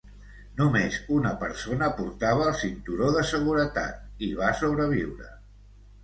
Només una persona portava el cinturó de seguretat i va sobreviure.